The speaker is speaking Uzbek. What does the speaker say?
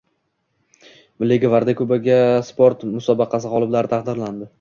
“Milliy gvardiya kubogi” sport musobaqasi g‘oliblari taqdirlandi